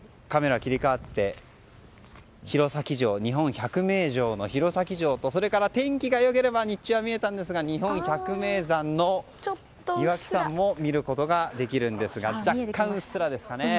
こちら、日本百名城の弘前城とそれから天気が良ければ日中は見えたんですが日本百名山の岩木山も見ることができるんですが若干、うっすらですかね。